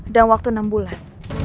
dalam waktu enam bulan